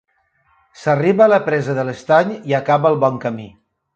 S'arriba a la presa de l'estany i acaba el bon camí.